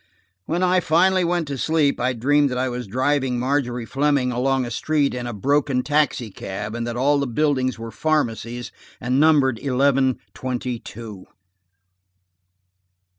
When I finally went to sleep, I dreamed that I was driving Margery Fleming along a street in a broken taxicab, and that all the buildings were pharmacies and numbered eleven twenty two.